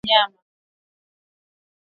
Andaa na uchemshe nyama